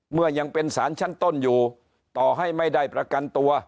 เมื่อยังเป็นสารชั้นต้นอยู่ต่อให้ไม่ได้ประกันตัว